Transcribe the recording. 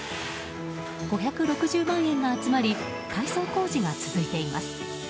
５６０万円が集まり改装工事が続いています。